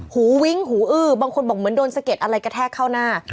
วิ้งหูอื้อบางคนบอกเหมือนโดนสะเด็ดอะไรกระแทกเข้าหน้า